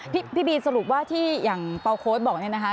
พี่บีสรุปว่าที่อย่างเป่าโค้ดบอกเนี่ยนะคะ